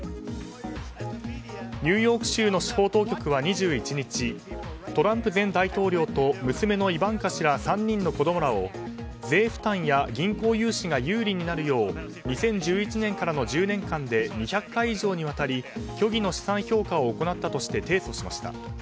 ニューヨーク州の司法当局は２１日トランプ前大統領と娘のイバンカ氏ら３人の子供らを税負担や銀行融資が有利になるよう２０１１年からの１０年間で２００回以上にわたり虚偽の資産評価を行ったとして提訴しました。